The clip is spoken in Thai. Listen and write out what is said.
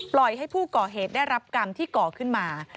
ให้ผู้ก่อเหตุได้รับกรรมที่ก่อขึ้นมา